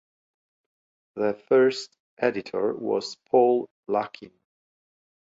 The first editor was Paul Lakin.